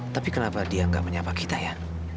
tapi kenapa dia nggak menyapa kita ya